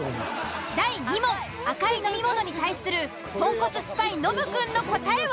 第２問「赤い飲み物」に対するポンコツスパイノブくんの答えは？